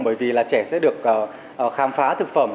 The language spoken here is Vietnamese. bởi vì là trẻ sẽ được khám phá thực phẩm